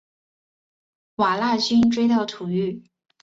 瓦剌军追到土域。